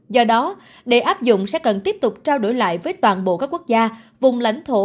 do đó để áp dụng sẽ cần tiếp tục trao đổi lại với toàn bộ các quốc gia vùng lãnh thổ